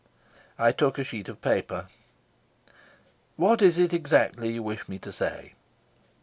I took a sheet of paper. "What is it exactly you wish me to say?"